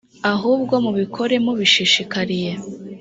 ahubwo mubikore mubishishikariye.